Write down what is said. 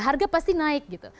harga pasti naik gitu